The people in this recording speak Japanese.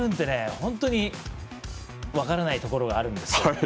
本当に分からないところがあるんですよ。